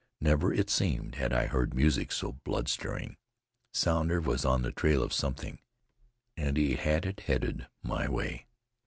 Never it seemed had I heard music so blood stirring. Sounder was on the trail of something, and he had it headed my way.